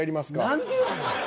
何でやねん。